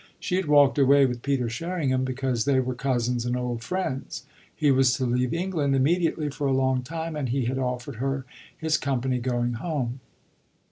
She had walked away with Peter Sherringham because they were cousins and old friends: he was to leave England immediately, for a long time, and he had offered her his company going home.